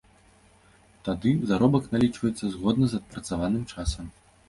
Тады заробак налічваецца згодна з адпрацаваным часам.